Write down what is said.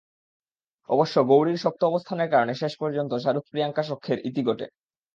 অবশ্য গৌরীর শক্ত অবস্থানের কারণে শেষ পর্যন্ত শাহরুখ-প্রিয়াঙ্কা সখ্যের ইতি ঘটে।